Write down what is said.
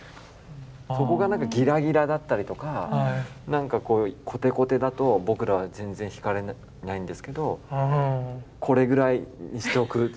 そこが何かギラギラだったりとか何かこうコテコテだと僕らは全然惹かれないんですけどこれぐらいにしておく。